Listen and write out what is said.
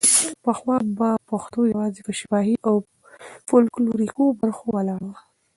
پخوا به پښتو یوازې په شفاهي او فولکلوریکو برخو ولاړه وه.